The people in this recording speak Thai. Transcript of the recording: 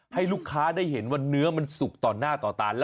ให้ลูกค้าได้เห็นว่าเนื้อมันสุกต่อหน้าต่อตา